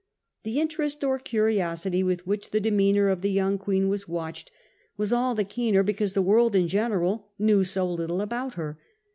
The interest or curiosity with which the demean our of the young Queen was watched was all the keener because the world in general knew so little about her.